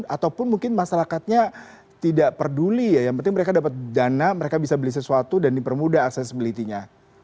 ataupun mungkin masyarakatnya tidak peduli ya yang penting mereka dapat dana mereka bisa beli sesuatu dan dipermudah accessibility nya